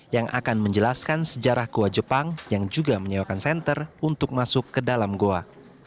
yang akan menjelaskan sejarah goa jepang yang juga menyewakan senter untuk masuk ke dalam goa